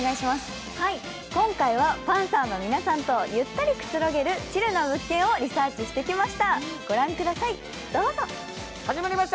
今回はパンサーの皆さんとゆったりとくつろげるチルの物件をリサーチしてきました。